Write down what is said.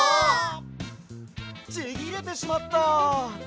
ちぎれてしまった！